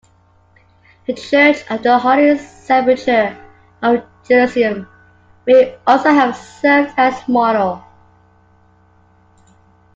The Church of the Holy Sepulchre of Jerusalem may also have served as model.